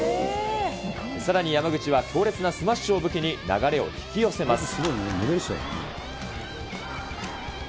さらに山口は強烈なスマッシュを武器に流れを引き寄せます。